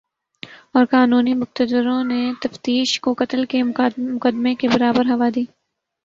اور قانونی مقتدروں نے تفتیش کو قتل کے مقدمے کے برابر ہوا دی